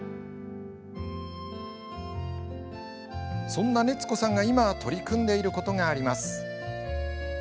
そんな熱子さんが今取り組んでいることがあります。